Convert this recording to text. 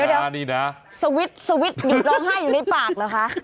เดี๋ยวสวิตช์หยุดร้องไห้อยู่ในปากเหรอคะ